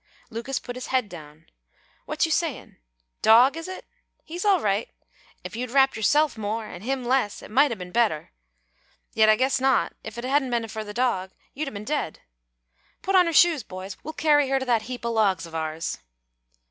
Lucas put his head down. "What you sayin'? Dog, is it? He's all right. If you'd wrapped yourself more, an' him less, it might 'a' bin better. Yet, I guess not. If it hadn't 'a' bin for the dog, you'd 'a' bin dead. Put on her shoes, boys. We'll carry her to that heap o' logs of ours."